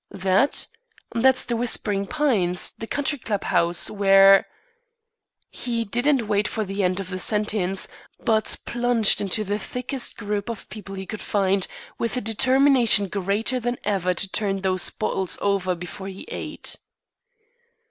"That? That's The Whispering Pines, the country club house, where " He didn't wait for the end of the sentence, but plunged into the thickest group of people he could find, with a determination greater than ever to turn those bottles over before he ate.